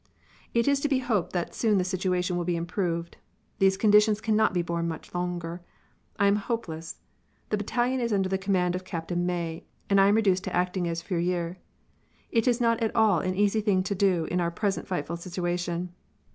"It is to be hoped that soon the situation will be improved. These conditions cannot be borne very much longer. I am hopeless. The battalion is under the command of Captain May, and I am reduced to acting as Fourier. It is not at all an easy thing to do in our present frightful situation.